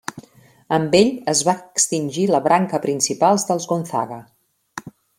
Amb ell es va extingir la branca principal dels Gonzaga.